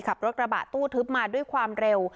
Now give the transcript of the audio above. ขับรถกระบะตู้ทึบมาด้วยความเร็ว